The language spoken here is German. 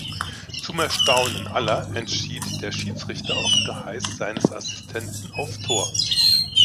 Zum Erstaunen aller entschied der Schiedsrichter auf Geheiß seines Assistenten auf Tor.